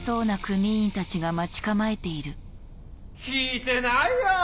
聞いてないよ！